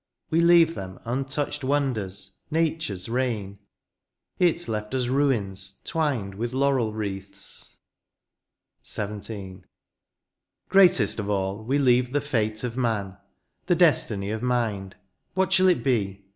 We leave them untouched wonders, nature's reign ; It left us ruins twined with laurel wreaths. XVII. Greatest of all, we leave the fate of man ; The destiny of mind, what shall it be ?